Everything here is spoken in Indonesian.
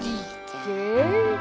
tengok ke kanan